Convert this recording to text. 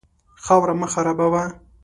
خاوره مه خرابوه.